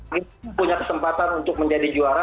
kita punya kesempatan untuk menjadi juara